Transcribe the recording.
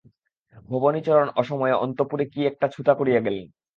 ভবানীচরণ অসময়ে অন্তঃপুরে কী একটা ছুতা করিয়া গেলেন।